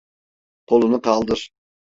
Kolunu kaldır.